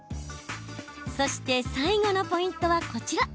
そして、最後のポイントはこちら。